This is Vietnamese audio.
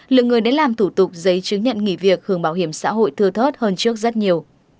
lượng người đến làm thủ tục giấy chứng nhận nghỉ việc hưởng bảo hiểm xã hội thưa thớt hơn trước rất nhiều